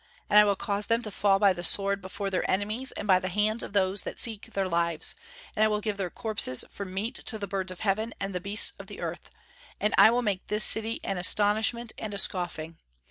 And I will cause them to fall by the sword before their enemies and by the hands of those that seek their lives; and I will give their corpses for meat to the birds of heaven and the beasts of the earth; and I will make this city an astonishment and a scoffing.